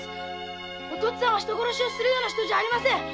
お父っつぁんは人殺しをするような人じゃありません。